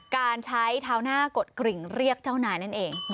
การใช้เท้าหน้ากดกริ่งเรียกเจ้านายนั่นเอง